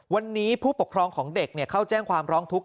วันนี้ผู้ปกครองของเด็กเข้าแจ้งความร้องทุกข